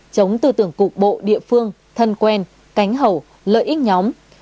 chống tư tưởng cục bộ địa phương thân quen cánh hậu lợi ích nhóm